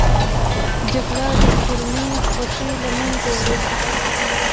جګړه د کورنۍ خوښۍ له منځه وړي